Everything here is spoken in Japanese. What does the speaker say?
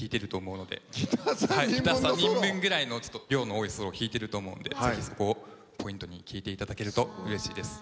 ギター３人分くらいの量の多いソロを弾いてると思うので是非そこをポイントに聴いていただけるとうれしいです。